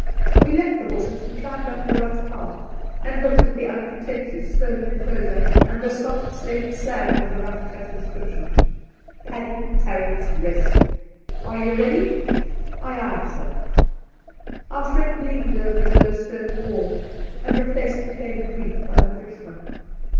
' We left the horses and climbed up the rough path, and looked at the unpretentious stone en closure and the soft slate slab with a rough cut inscription :" Paddy Tabry's Eest ! Are ye ready ? Aye, aye' sir!" ' Our friend leaned over the low stone wall and replaced the faded wreath by the fresh one.